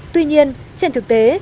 tuy nhiên trên thực tế